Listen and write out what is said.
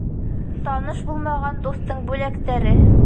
Таныш булмаған дуҫтың бүләктәре